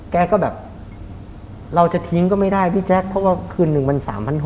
แกก็แบบเราจะทิ้งก็ไม่ได้พี่แจ๊คเพราะว่าคืนหนึ่งมัน๓๖๐๐